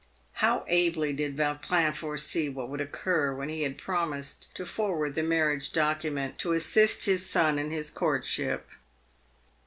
How ably did Yautrin foresee what would occur when he had promised to forward the marriage document to assist his son in his courtship.